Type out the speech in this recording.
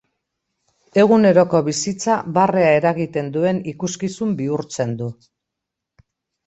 Eguneroko bizitza barrea eragiten duen ikuskizun bihurtzen du.